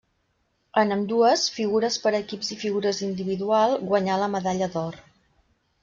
En ambdues, figures per equips i figures individual, guanyà la medalla d'or.